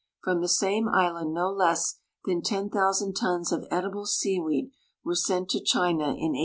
From the same island no less than 10,000 tons of edible seaweed were sent to China in 1894.